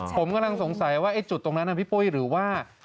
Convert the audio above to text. ผมกำลังสงสัยว่าไอ้จุดตรงนั้นนะพี่ปุ้ยหรือว่า